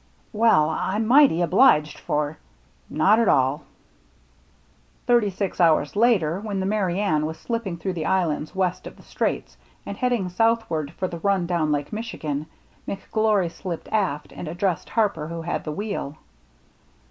"Well — I'm mighty obliged for —" "Not at all." Thirty six hours later, when the Merry Anne was slipping through the islands west of the straits and heading southward for the run down Lake Michigan, McGlory slipped aft and addressed Harper, who had the wheel.